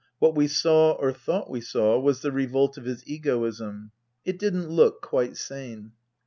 What we saw, or thought we saw, was the revolt of his egoism. It didn't look quite sane.